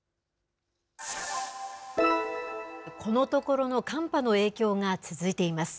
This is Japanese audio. このところの寒波の影響が続いています。